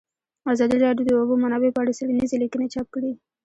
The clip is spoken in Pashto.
ازادي راډیو د د اوبو منابع په اړه څېړنیزې لیکنې چاپ کړي.